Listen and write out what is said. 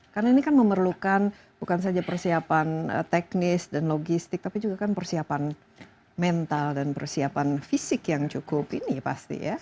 karena ini kan memerlukan bukan saja persiapan teknis dan logistik tapi juga kan persiapan mental dan persiapan fisik yang cukup ini pasti ya